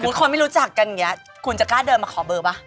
คนไม่รู้จักกันอย่างนี้คุณจะกล้าเดินมาขอเบอร์ป่ะ